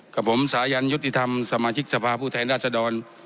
กับผมสายันยุติธรรมสมาชิกสภาพผู้แทนราชดร